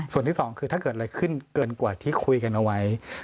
ส่วนที่สองคือถ้าเกิดอะไรขึ้นเกินกว่าที่คุยกันเอาไว้